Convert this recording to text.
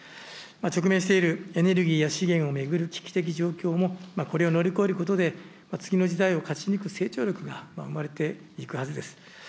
直面しているエネルギーや資源を巡る危機的状況も、これを乗り越えることで、次の時代を勝ち抜く成長力が生まれていくはずです。